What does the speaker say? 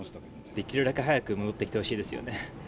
できるだけ早く戻ってきてほしいですね。